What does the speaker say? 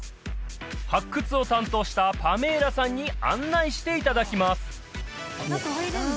発掘を担当したパメーラさんに案内していただきます